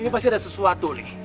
ini pasti ada sesuatu nih